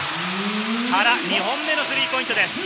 原、２本目のスリーポイントです。